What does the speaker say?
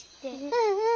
うんうん。